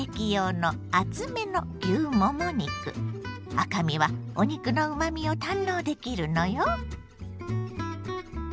赤身はお肉のうまみを堪能できるのよ。